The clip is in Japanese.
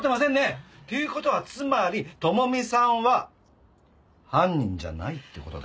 っていう事はつまり朋美さんは犯人じゃないって事だよ。